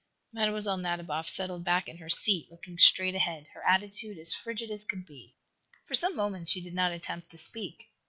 _" Mlle. Nadiboff settled back in her seat, looking straight ahead, her attitude as frigid as could be. For some moments she did not attempt to speak.